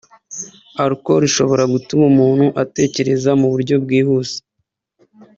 Alcool ishobora gutuma umuntu atekereza mu buryo bwihuse